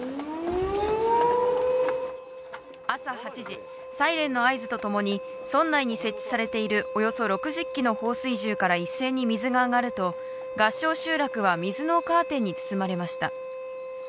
朝８時、サイレンの合図とともに、村内に設置されているおよそ６０基の放水銃から一斉に水が上がると、合掌集落は水のカーテンに包まれました。